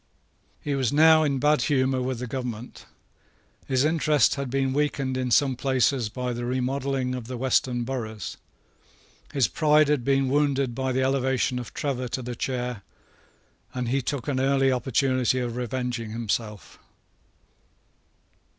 He was now in bad humour with the government. His interest had been weakened in some places by the remodelling of the western boroughs: his pride had been wounded by the elevation of Trevor to the chair; and he took an early opportunity of revenging himself.